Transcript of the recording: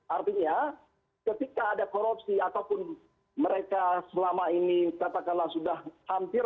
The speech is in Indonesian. artinya ketika ada korupsi ataupun mereka selama ini katakanlah sudah hampir